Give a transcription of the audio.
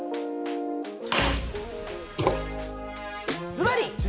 ずばり！